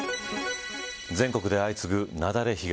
全国で相次ぐ雪崩被害。